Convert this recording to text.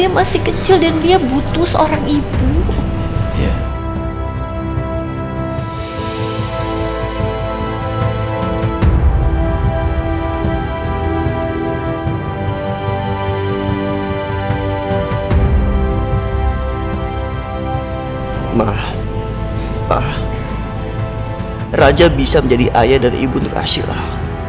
ma pa raja bisa menjadi ayah dan ibu nur asyiklah